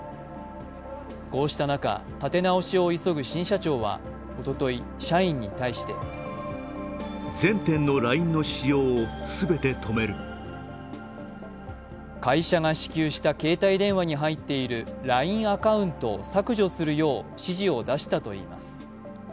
こうした中、立て直しを急ぐ新社長はおととい、社員に対して会社が支給した携帯電話に入っているＬＩＮＥアカウントを削除するよう指示を出したといいます。